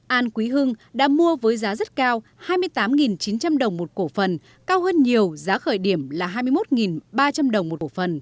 an quý hưng đã mua với giá rất cao hai mươi tám chín trăm linh đồng một cổ phần cao hơn nhiều giá khởi điểm là hai mươi một ba trăm linh đồng một cổ phần